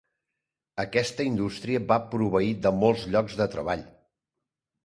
Aquesta indústria va proveir de molts llocs de treball.